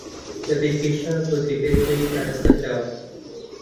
بەبێ کێشە بۆ جێگای خۆی ئاراستەکراوە